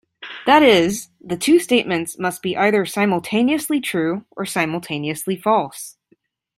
That is, the two statements must be either simultaneously true or simultaneously false.